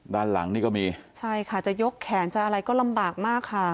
ด้านหลังนี่ก็มีใช่ค่ะจะยกแขนจะอะไรก็ลำบากมากค่ะ